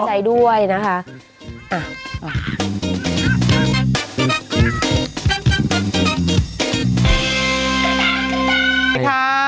ดีใจด้วยนะคะ